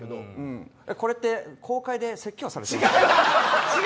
これって公開で説教されてます。